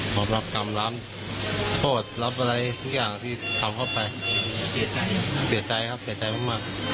พร้อมรับกรรมรับโทษรับอะไรทุกอย่างที่ทำเข้าไปเสียใจเสียใจครับเสียใจมาก